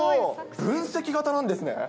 分析型なんですね？